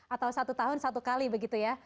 atau satu tahun satu kali begitu ya